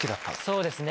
そうですね。